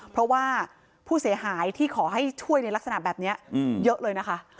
เพราะว่าผู้เสียหายที่ขอให้ช่วยในลักษณะแบบนี้เยอะเลยนะคะ